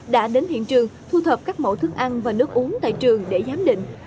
đã đến hiện trường thu thập các mẫu thức ăn và nước uống tại trường để giám định